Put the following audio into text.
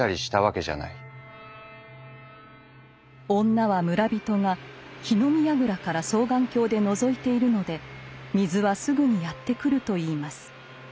女は村人が火の見やぐらから双眼鏡でのぞいているので水はすぐにやってくると言います。